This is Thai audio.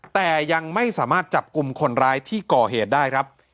แต่ยังไม่สามารถจับกลุ่มคนร้ายที่ก่อเหตุได้ครับ